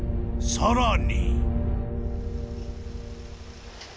［さらに］